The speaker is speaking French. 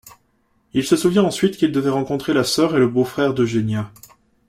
Il se souvient ensuite qu'il devait rencontrer la sœur et le beau-frère d'Eugenia.